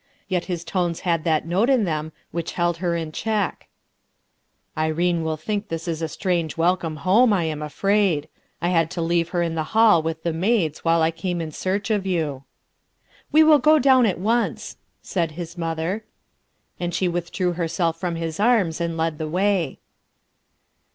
Yet his tones had that note in them which held her in check. 124 "SENTIMENTAL" PEOPLE 125 "Irene wiB think this a strange welcome home, I am afraid; I had to leave her in the hall with the maids while I came in search of you/* "We will go down at once," said his mother; and she withdrew herself from his arms and led the way.